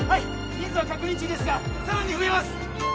人数は確認中ですがさらに増えます！